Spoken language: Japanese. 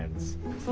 そう。